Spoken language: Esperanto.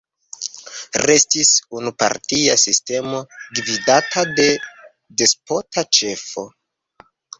Restis unupartia sistemo gvidata de despota ĉefo.